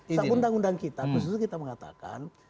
untuk undang undang kita kita mengatakan